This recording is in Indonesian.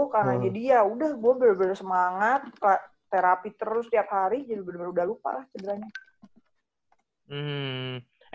karena jadi ya udah gue bener bener semangat terapi terus tiap hari jadi bener bener udah lupa lah sebenarnya